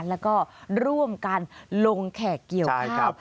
แล้วก็ร่วมกันลงแขกเกี่ยวข้าว